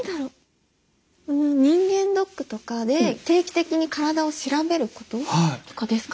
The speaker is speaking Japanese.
人間ドックとかで定期的に体を調べることとかですかね？